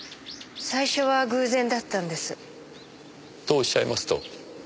最初は偶然だったんです。とおっしゃいますと？